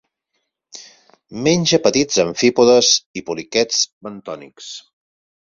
Menja petits amfípodes i poliquets bentònics.